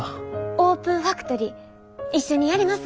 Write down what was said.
オープンファクトリー一緒にやりませんか？